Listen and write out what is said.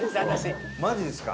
伊達：マジですか？